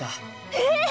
えっ！